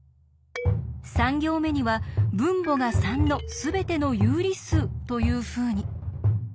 ３行目には分母が３のすべての有理数というふうに。